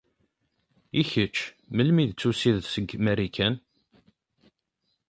I kečč melmi d-tusiḍ seg Marikan?